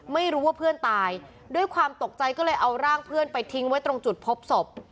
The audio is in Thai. ไม่รู้ว่าเพื่อนตายด้วยความตกใจก็เลยเอาร่างเพื่อนไปทิ้งไว้ตรงจุดพบศพ